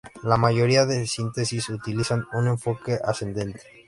La mayoría de síntesis utilizan un enfoque ascendente.